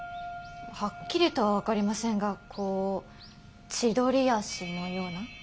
はっきりとは分かりませんがこう千鳥足のような。